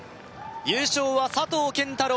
優勝は佐藤拳太郎